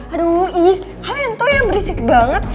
aduh iiih kalian tuh yang berisik banget